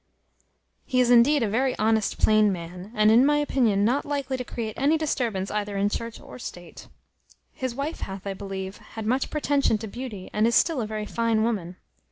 He is indeed a very honest plain man, and, in my opinion, not likely to create any disturbance either in church or state. His wife hath, I believe, had much pretension to beauty, and is still a very fine woman.